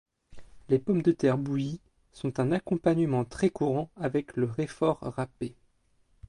Les pommes de terre bouillies sont un accompagnement très courant avec le raifort râpé.